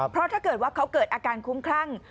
เพราะถ้าเกิดว่าเขาเกิดอาการคุ้มคลั่ง